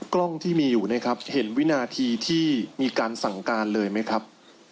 กล้องที่มีอยู่นะครับเห็นวินาทีที่มีการสั่งการเลยไหมครับ